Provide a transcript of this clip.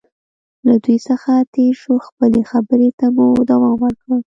له دوی څخه تېر شو، خپلې خبرې ته مو دوام ورکړ.